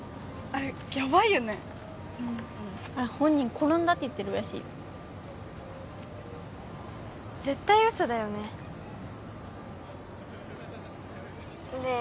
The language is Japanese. あれ本人転んだって言ってるらしい絶対ウソだよねねえ